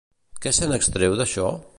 Què se n'extreu d'això?